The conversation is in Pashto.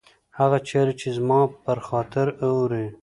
هغه چاري چي زما پر خاطر اوري